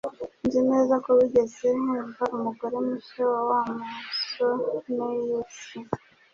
Nzi neza ko wigeze wumva umugore mushya wa Wa musoreasi